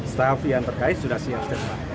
staff yang terkait sudah siap dan